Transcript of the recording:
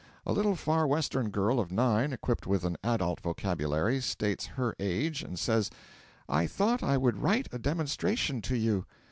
A little Far Western girl of nine, equipped with an adult vocabulary, states her age and says, 'I thought I would write a demonstration to you.'